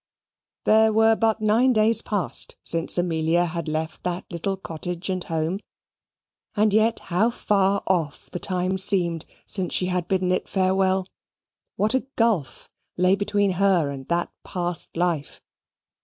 There were but nine days past since Amelia had left that little cottage and home and yet how far off the time seemed since she had bidden it farewell. What a gulf lay between her and that past life.